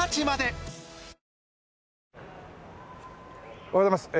おはようございます。